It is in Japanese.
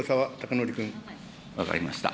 分かりました。